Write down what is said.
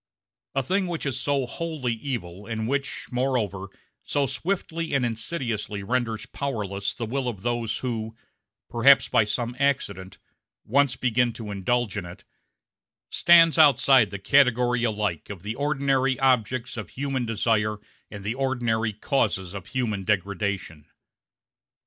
A thing which is so wholly evil, and which, moreover, so swiftly and insidiously renders powerless the will of those who perhaps by some accident once begin to indulge in it, stands outside the category alike of the ordinary objects of human desire and the ordinary causes of human degradation.